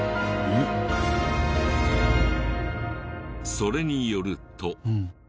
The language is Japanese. それによると。